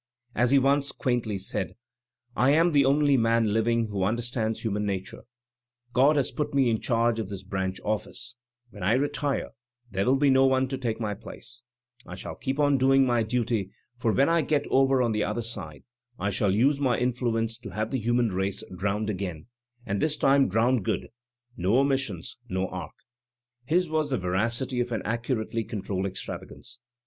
As he once quaintly said: ''I am the only man living who understands human nature; God has put me in charge of this branch office; when I retire, there will be no one to take my place, I shall keep on doing my duty, for when I get over on the other side, I shall use my influence to have the human race drowned again, and this time drowned good, no omissions, no Ark. BGs was the veracity of an accurately controlled extravagance.